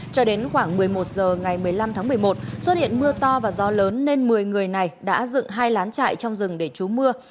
cho đến khoảng một mươi một giờ ngày một mươi năm tháng một mươi một xuất hiện mưa to và gió lớn nên một mươi người này đã dựng hai lán trại trong rừng để trú mưa